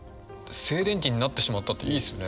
「静電気になってしまった」っていいですね。